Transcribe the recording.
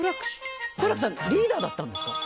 好楽さんリーダーだったんですか？